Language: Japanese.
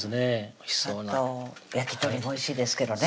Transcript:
おいしそうな焼き鳥もおいしいですけどね